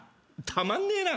たまんねえな。